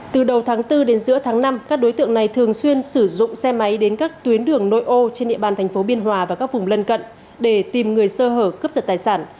từ đầu tháng bốn đến giữa tháng năm các đối tượng này thường xuyên sử dụng xe máy đến các tuyến đường nội ô trên địa bàn thành phố biên hòa và các vùng lân cận để tìm người sơ hở cướp giật tài sản